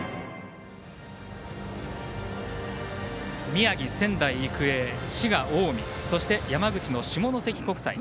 宮城、仙台育英滋賀、近江、そして山口の下関国際。